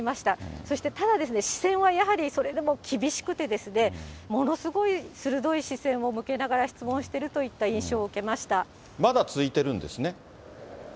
そしてただですね、視線はやはりそれでも厳しくて、ものすごい鋭い視線を向けながら質問してるといった印象を受けままだ続いてるんですね？